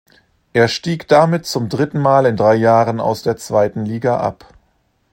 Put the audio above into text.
Er stieg damit zum dritten Mal in drei Jahren aus der zweiten Liga ab.